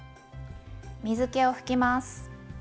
水けを拭きます。